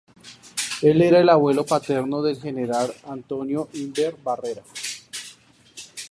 Él era el abuelo paterno del general Antonio Imbert Barrera.